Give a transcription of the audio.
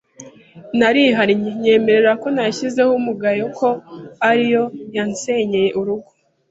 Narihannye, nyemerera ko nayishyizeho umugayo ko ari yo yansenyeye urugo.